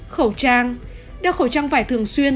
khẩu trang đeo khẩu trang vải thường xuyên